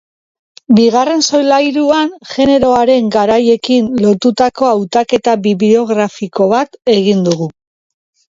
Bigarren solairuan, generoaren gaiarekin lotutako hautaketa bibliografiko bat egin dugu.